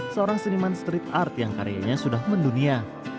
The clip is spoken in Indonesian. seorang seniman street art yang karyanya sudah mendunia